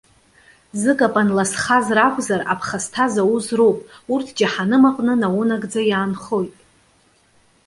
Зыкапан ласхаз ракәзар, аԥхасҭа зауз роуп. Урҭ џьаҳаным аҟны наунагӡа иаанхоит.